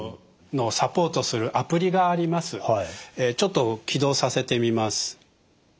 ちょっと起動させてみます。